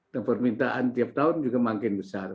dan permintaan tiap tahun juga makin besar